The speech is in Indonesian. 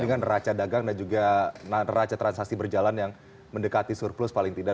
dan juga neraca dagang dan juga neraca transaksi berjalan yang mendekati surplus paling tidak